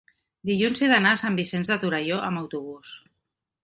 dilluns he d'anar a Sant Vicenç de Torelló amb autobús.